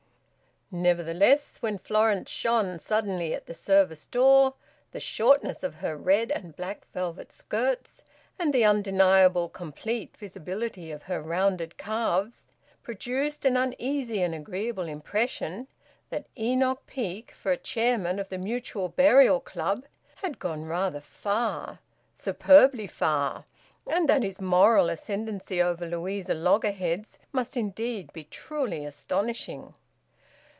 Nevertheless when Florence shone suddenly at the service door, the shortness of her red and black velvet skirts, and the undeniable complete visibility of her rounded calves produced an uneasy and agreeable impression that Enoch Peake, for a chairman of the Mutual Burial Club, had gone rather far, superbly far, and that his moral ascendancy over Louisa Loggerheads must indeed be truly astonishing.